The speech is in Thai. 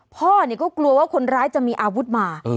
พ่อก็กลัวว่าคนร้ายจะมีอาวุธมา